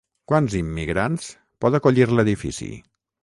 Quants immigrants pot acollir l'edifici?